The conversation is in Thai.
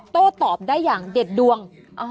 โต้ตอบได้อย่างเด็ดดวง